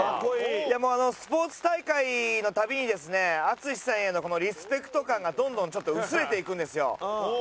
いやもうあのスポーツ大会の度にですね淳さんへのリスペクト感がどんどん薄れていくんですよ。